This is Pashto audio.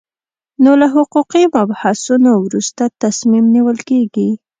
نو له حقوقي مبحثونو وروسته تصمیم نیول کېږي.